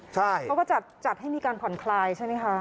เขาก็จัดให้มีการผ่อนคลายใช่ไหมคะ